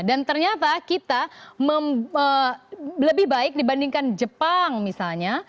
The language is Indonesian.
dan ternyata kita lebih baik dibandingkan jepang misalnya